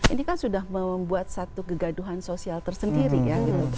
ini kan sudah membuat satu kegaduhan sosial tersendiri ya